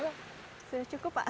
sudah cukup pak